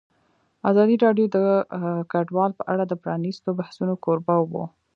ازادي راډیو د کډوال په اړه د پرانیستو بحثونو کوربه وه.